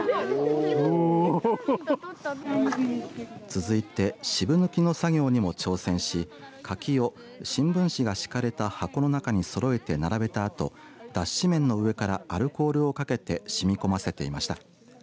続いて渋抜きの作業にも挑戦し柿を新聞紙が敷かれた箱の中にそろえて並べたあと脱脂綿の上からアルコールをかけて染み込ませていました。